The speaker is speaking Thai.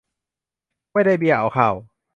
ไม่ได้เบี้ยเอาข้าว